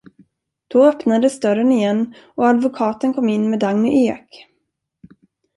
Då öppnades dörren igen och advokaten kom in med Dagny Ek.